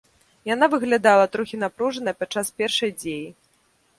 Яна выглядала трохі напружанай падчас першай дзеі.